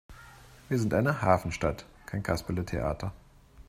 Wir sind eine Hafenstadt, kein Kasperletheater!